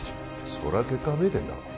そりゃ結果は見えてんだろ